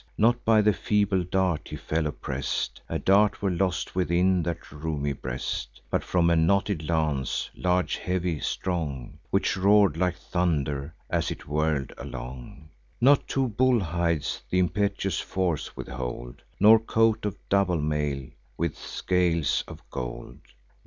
Not by the feeble dart he fell oppress'd (A dart were lost within that roomy breast), But from a knotted lance, large, heavy, strong, Which roar'd like thunder as it whirl'd along: Not two bull hides th' impetuous force withhold, Nor coat of double mail, with scales of gold.